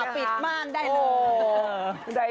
ปิดม่านได้เลย